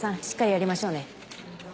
しっかりやりましょうね。